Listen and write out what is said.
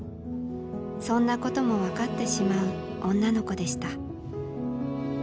そんなことも分かってしまう女の子でした。